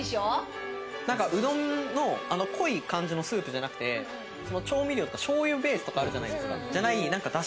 何か、うどんの濃い感じのスープじゃなくて、調味料とか醤油ベースとかあるじゃないですか。